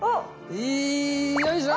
いよいしょ！